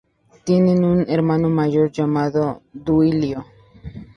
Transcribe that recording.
Tiene un hermano mayor llamado Duilio.